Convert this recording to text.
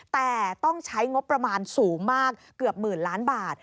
แต่ต้องใช้งบประมาณสูงมากเกือบหมื่นล้านบาท